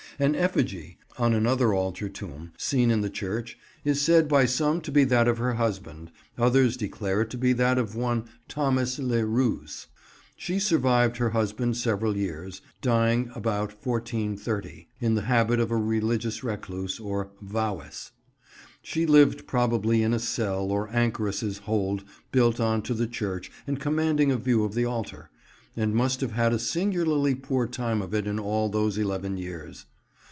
An effigy, on another altar tomb, seen in the church, is said by some to be that of her husband; others declare it to be that of one Thomas le Roos. She survived her husband several years, dying about 1430, in the habit of a religious recluse, or "vowess." She lived probably in a cell or anchoress's hold built on to the church and commanding a view of the altar, and must have had a singularly poor time of it in all those eleven years.